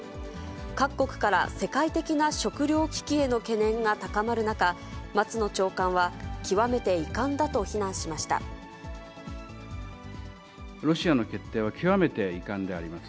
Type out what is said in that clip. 各国から世界的な食糧危機への懸念が高まる中、松野長官は、ロシアの決定は、極めて遺憾であります。